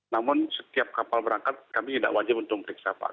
namun setiap kapal berangkat kami tidak wajib untuk periksa pak